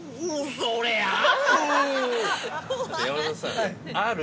それある！